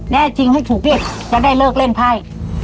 แน่จริงให้ถูกครับเพื่อจ๊ะได้เลิกเล่นภาย